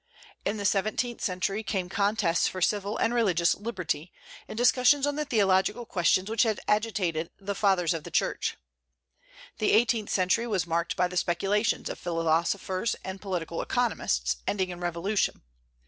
In the seventeenth century came contests for civil and religious liberty, and discussions on the theological questions which had agitated the Fathers of the Church. The eighteenth century was marked by the speculations of philosophers and political economists, ending in revolution.